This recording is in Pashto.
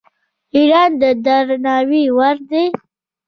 ایران د درناوي وړ دی.